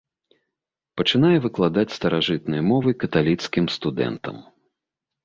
Пачынае выкладаць старажытныя мовы каталіцкім студэнтам.